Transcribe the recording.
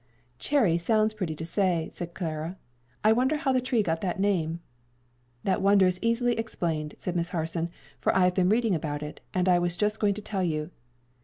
"'Cherry' sounds pretty to say," continued Clara. "I wonder how the tree got that name?" "That wonder is easily explained," said Miss Harson, "for I have been reading about it, and I was just going to tell you.